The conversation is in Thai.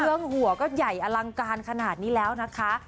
หัวก็ใหญ่อลังการขนาดนี้แล้วนะคะ